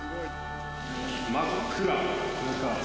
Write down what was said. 真っ暗、中。